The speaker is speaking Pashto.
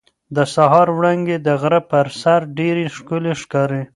د سهار وړانګې د غره پر سر ډېرې ښکلې ښکاري.